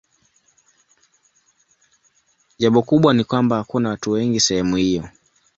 Jambo kubwa ni kwamba hakuna watu wengi sehemu hiyo.